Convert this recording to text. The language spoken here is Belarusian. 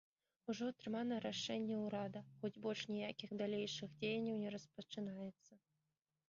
Ужо атрымана рашэнне ўрада, хоць больш ніякіх далейшых дзеянняў не распачынаецца.